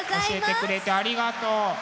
教えてくれてありがとう。